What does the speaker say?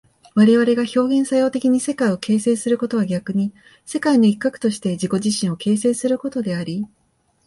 我々が表現作用的に世界を形成することは逆に世界の一角として自己自身を形成することであり、